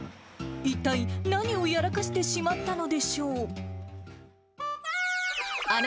一体、何をやらかしてしまったのでしょう。